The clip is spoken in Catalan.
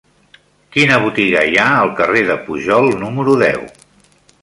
Quina botiga hi ha al carrer de Pujol número deu?